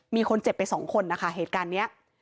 มีคนเจ็บไปสองคนนะคะเหตุการณ์นี้